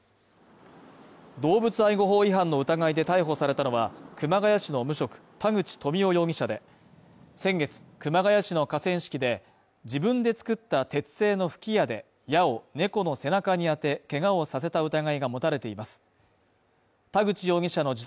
動物愛護法違反の疑いで逮捕されたのは、熊谷市の無職田口富夫容疑者で、先月、熊谷市の河川敷で、自分で作った鉄製の吹き矢で、矢を猫の背中にあて、けがをさせた疑いが持たれています。